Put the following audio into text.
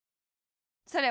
それはね